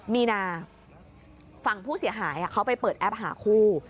มีนาฝั่งผู้เสียหายเขาไปเปิดแอปหาคู่